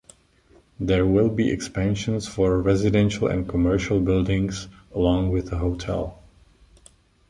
There will be expansions for residential and commercial buildings, along with a hotel.